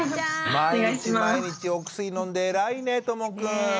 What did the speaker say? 毎日毎日お薬飲んで偉いねともくん。